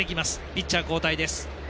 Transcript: ピッチャー交代です。